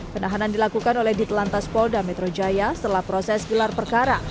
penahanan dilakukan oleh ditelantas polda metro jaya setelah proses gelar perkara